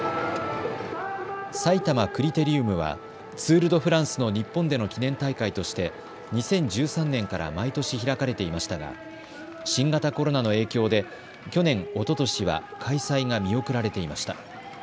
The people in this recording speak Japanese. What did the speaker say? さいたまクリテリウムはツール・ド・フランスの日本での記念大会として２０１３年から毎年、開かれていましたが新型コロナの影響で去年、おととしは開催が見送られていました。